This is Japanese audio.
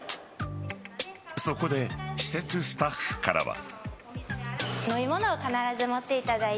そこで、施設スタッフからは。